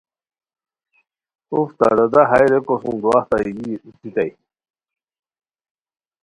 اُف تہ دادا ہائے ریکو سُم دواہتہ یی اوتیتائے